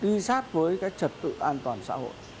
đi sát với cái trật tự an toàn xã hội